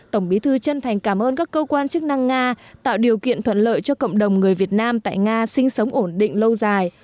tổng bí thư chân thành cảm ơn các cơ quan chức năng nga tạo điều kiện thuận lợi cho cộng đồng người việt nam tại nga sinh sống ổn định lâu dài